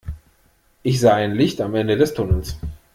Ich sah ein Licht am Ende des Tunnels.